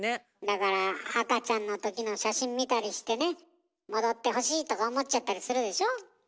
だから赤ちゃんの時の写真見たりしてね戻ってほしいとか思っちゃったりするでしょ？